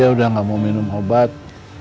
hari ini dia udah gak mau minum obat